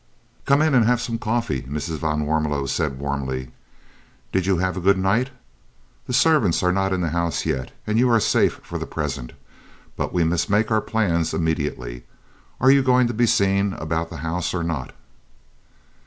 "Come in and have some coffee," Mrs. van Warmelo said warmly. "Did you have a good night? The servants are not in the house yet and you are safe for the present, but we must make our plans immediately. Are you going to be seen about the house or not?"